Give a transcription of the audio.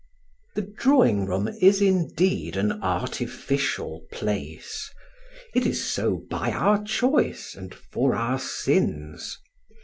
The drawing room is, indeed, an artificial place; it is so by our choice and for our sins.